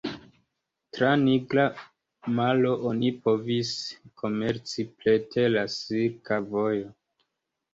Tra Nigra Maro, oni povis komerci preter la Silka Vojo.